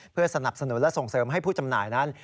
เพื่อสนับสนุนและส่งเสริมให้ผู้จำหน่ายนั้น